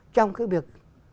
trong cái việc